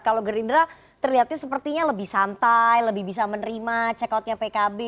kalau gerindra terlihatnya sepertinya lebih santai lebih bisa menerima check outnya pkb